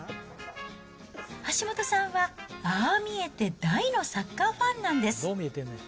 橋本さんはああ見えて、大のサッカーファンなんです。